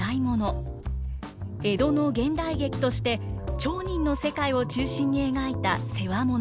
江戸の現代劇として町人の世界を中心に描いた「世話物」。